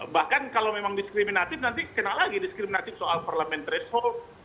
bahkan kalau memang diskriminatif nanti kena lagi diskriminatif soal parliamentary vote soal presidensial vote